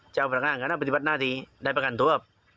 เจ้าพนักงานคณะปฏิบัติหน้าที่ได้ประกันตัว